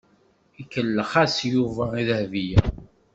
Ikellex-as Yuba i Dahbiya.